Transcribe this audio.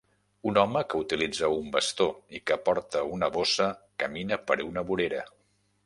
Un home que utilitza un bastó i que porta una bossa camina per una vorera.